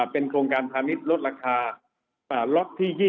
เป็นโครงการพาณิชย์ลดราคาล็อตที่๒๐